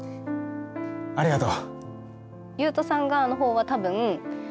ありがとう。